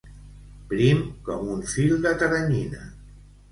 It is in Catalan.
Prim com un fil de teranyina.